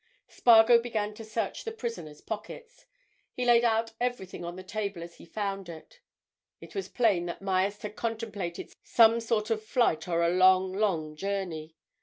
Spargo began to search the prisoner's pockets. He laid out everything on the table as he found it. It was plain that Myerst had contemplated some sort of flight or a long, long journey.